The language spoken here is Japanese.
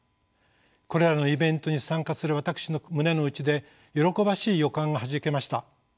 これらのイベントに参加する私の胸のうちで喜ばしい予感がはじけました。